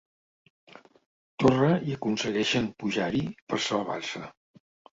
Torre i aconsegueixen pujar-hi, per salvar-se.